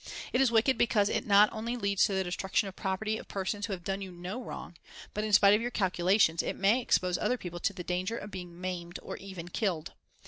It is wicked because it not only leads to the destruction of property of persons who have done you no wrong, but in spite of your calculations, it may expose other people to the danger of being maimed or even killed.